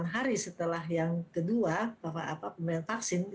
dua puluh delapan hari setelah yang kedua pemberian vaksin